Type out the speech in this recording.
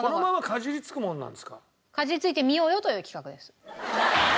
かじりついてみようよという企画です。